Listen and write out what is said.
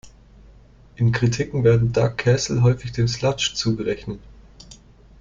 In Kritiken werden Dark Castle häufig dem Sludge zugerechnet.